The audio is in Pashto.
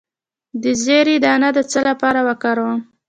د زیرې دانه د څه لپاره وکاروم؟